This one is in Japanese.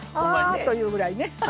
あっというぐらいね。